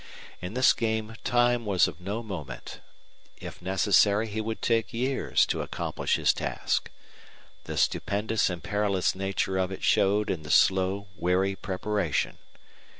In this game time was of no moment; if necessary he would take years to accomplish his task. The stupendous and perilous nature of it showed in the slow, wary preparation.